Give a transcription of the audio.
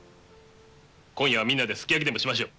今夜はみんなですき焼きでもしましょう。